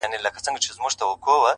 هغه نجلۍ سندره نه غواړي. سندري غواړي.